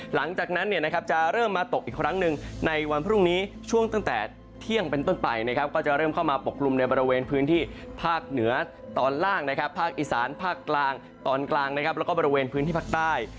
หลังจากนั้นจะเริ่มมาตกอีกครั้งหนึ่งในวันพรุ่งนี้ช่วงตั้งแต่เที่ยงเป็นต้นไปนะครับก็จะเริ่มเข้ามาปกกลุ่มในบริเวณพื้นที่ภาคเหนือตอนล่างนะครับภาคอีสานภาคกลางตอนกลางนะครับแล้วก็บริเวณพื้นที่ภาคใต้